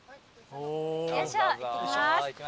よいしょいってきます。